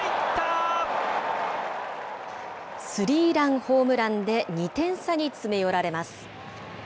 スリーランホームランで２点差に詰め寄られます。